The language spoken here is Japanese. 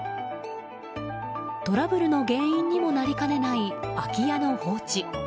トラブルの原因にもなりかねない空き家の放置。